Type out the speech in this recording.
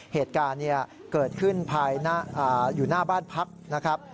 เหตุการณ์เกิดขึ้นภายอยู่หน้าบ้านพักนะครับ